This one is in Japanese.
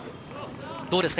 どうですか？